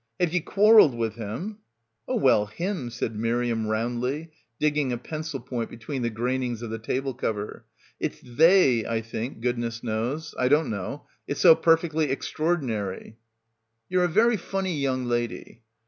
"Have ye quarrelled with him?" "Oh, well, him" said Miriam roundly, dig ging a pencil point between the grainings of the table cover. "It's they, I think, goodness knows, I don't know; it's so perfectly extraordi nary." "You're a very funny young lady."